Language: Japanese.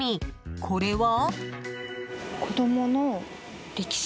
これは？